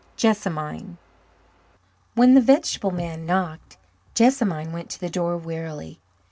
Jessamine When the vegetable man knocked, Jessamine went to the door wearily.